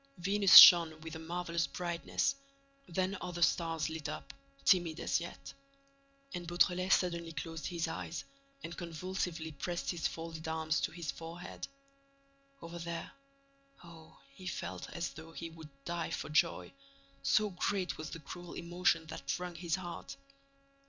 Venus shone with a marvelous brightness; then other stars lit up, timid as yet. And Beautrelet suddenly closed his eyes and convulsively pressed his folded arms to his forehead. Over there—oh, he felt as though he would die for joy, so great was the cruel emotion that wrung his heart!